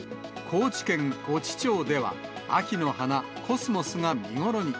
高知県越知町では、秋の花、コスモスが見頃に。